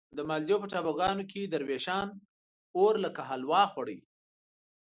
د مالدیو په ټاپوګانو کې دروېشان اور لکه حلوا خوړ.